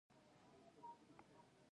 د بغلان په تاله او برفک کې څه شی شته؟